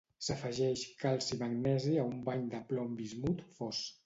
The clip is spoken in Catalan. S'afegeix calci i magnesi a un bany de plom-bismut fos.